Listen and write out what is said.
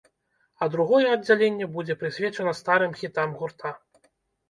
А другое аддзяленне будзе прысвечана старым хітам гурта.